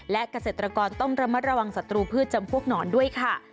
และเกษตรกรต้องระมัดระวังศัตรูพืชจำพวกหนอนด้วยค่ะ